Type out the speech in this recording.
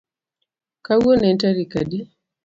Kawuono en tarik adi